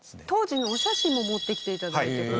当時のお写真も持ってきていただいて。